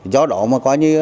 do đó mà quá như